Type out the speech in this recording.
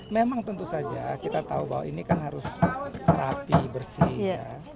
memang tentu saja kita tahu bahwa ini kan harus rapi bersih ya